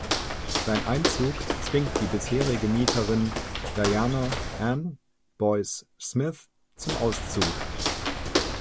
Sein Einzug zwingt die bisherige Mieterin Diana „Ann“ Boyce-Smith zum Auszug.